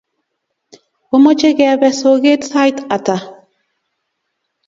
Omache kepe soget sait ata?